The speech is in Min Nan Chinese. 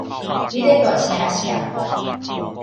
你咧大聲啥啦